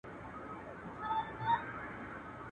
پرېږده چي دي مخي ته بلېږم ته به نه ژاړې.